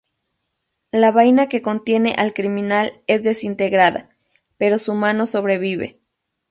La vaina que contiene al criminal es desintegrada, pero su mano sobrevive.